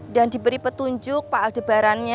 dan diberi petunjuk pak aldebarannya